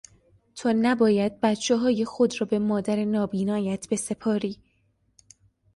تو نباید بچههای خود را به مادر نابینایت بسپاری.